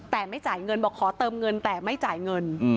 แต่ไม่จ่ายเงินบอกขอเติมเงินแต่ไม่จ่ายเงิน